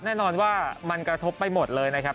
แน่นอนว่ามันกระทบไปหมดเลยนะครับ